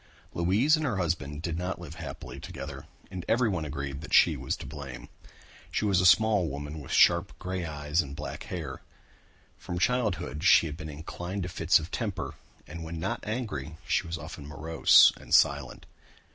Louise and her husband did not live happily together and everyone agreed that she was to blame. She was a small woman with sharp grey eyes and black hair. From childhood she had been inclined to fits of temper and when not angry she was often morose and silent.